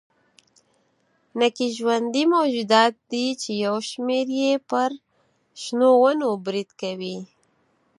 نکي ژوندي موجودات دي چې یو شمېر یې پر شنو ونو برید کوي.